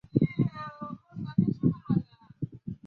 卡瓦略波利斯是巴西米纳斯吉拉斯州的一个市镇。